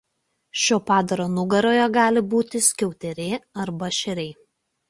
Šio padaro nugaroje gali būti skiauterė arba šeriai.